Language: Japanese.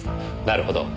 なるほど。